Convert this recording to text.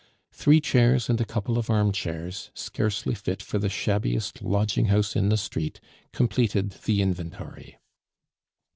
Three chairs and a couple of armchairs, scarcely fit for the shabbiest lodging house in the street, completed the inventory.